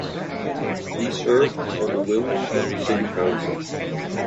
He served on the Wilmington City Council.